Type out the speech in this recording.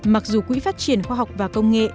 mặc dù quỹ phát triển khoa học và công nghệ